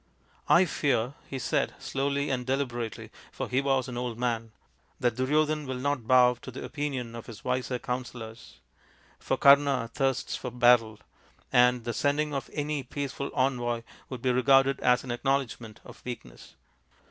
"I fear," he said, slowly and deliberately, for he was an old man, " that Duryodhan will not bow to the opinion of his wiser counsellors, for Kama thirsts for battle, and the sending of any peaceful envoy would be regarded as an acknowledgment of weakness.